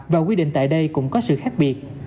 và quy định tại đây cũng có sự khác biệt